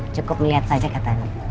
cukup melihat saja katanya